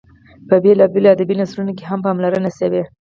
په بېلابېلو ادبي نثرونو کې هم پاملرنه شوې.